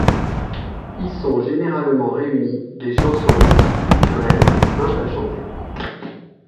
Y sont généralement réunies des chansons multiculturelles et simples à chanter.